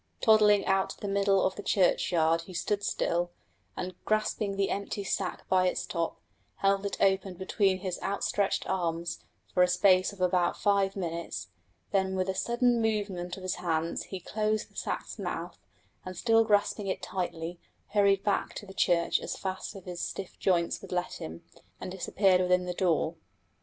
Toddling out to the middle of the churchyard he stood still, and grasping the empty sack by its top, held it open between his outstretched arms for a space of about five minutes; then with a sudden movement of his hands he closed the sack's mouth, and still grasping it tightly, hurried back to the church as fast as his stiff joints would let him, and disappeared within the door.